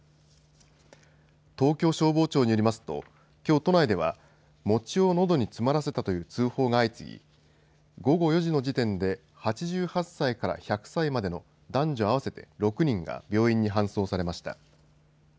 東京消防庁によりますときょう、都内では「餅をのどに詰まらせた」という通報が相次ぎ午後４時の時点で８８歳から１００歳までの男女合わせて６人が病院に搬送されました。